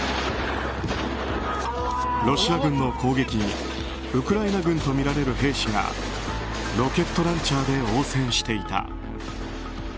ロシア軍の攻撃にウクライナ軍とみられる兵士がロケットランチャーで応戦していた。